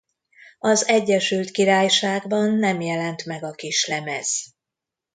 Az Egyesült Királyságban nem jelent meg a kislemez.